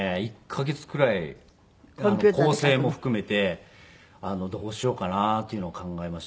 １カ月くらい構成も含めてどうしようかなというのを考えましたね。